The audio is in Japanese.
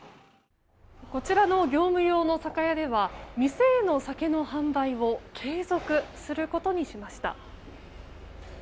こちらの業務用の酒屋では店への酒の販売を継続することにしました。